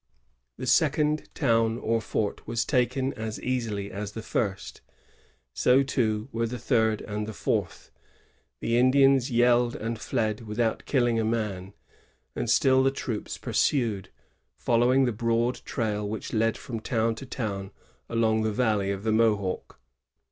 The second town or fort was taken as easily as the first; so, too, were the third and the fourth. The Indians yelled, and fled without killing a man ; and still the troops pursued, following the broad trail which led from town to town along the valley of the Mohawk.